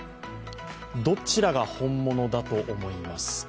どちらが本物だと思いますか？